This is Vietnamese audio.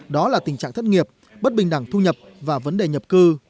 đó là tình trạng thất nghiệp bất bình đẳng thu nhập và vấn đề nhập cư